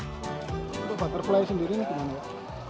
untuk butterfly sendiri gimana ya